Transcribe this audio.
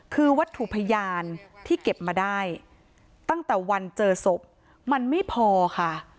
คือวัตถุพยานที่เก็บมาได้ตั้งแต่วันเจอศพมันไม่พอค่ะ